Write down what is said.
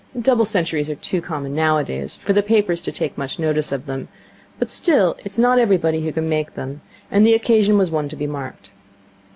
Double centuries are too common, nowadays, for the papers to take much notice of them; but, still, it is not everybody who can make them, and the occasion was one to be marked.